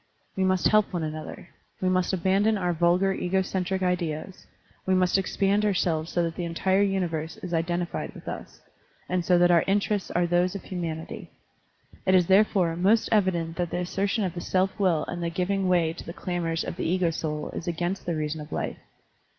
We must help one another, we must abandon our vulgar ego centric ideas, we must expand ourselves so that the entire universe is identified with us, and so that our interests are those of humanity. It is therefore most evident that the assertion of the self will and the giving way to the clamors of the ego soul is against the reason of life.